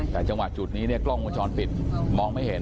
แต่จังหวะจุดนี้เนี่ยกล้องวงจรปิดมองไม่เห็น